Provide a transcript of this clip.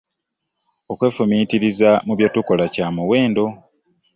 Okwefumiintiriza mu bye tukola kyamuwendo.